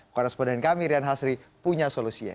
koresponden kami rian hasri punya solusinya